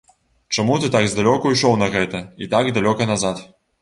Чаму ты так здалёку ішоў на гэта, і так далёка назад?!